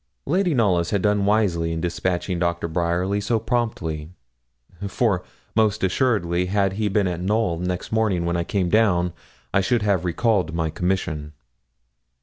Lady Knollys had done wisely in despatching Doctor Bryerly so promptly; for, most assuredly, had he been at Knowl next morning when I came down I should have recalled my commission.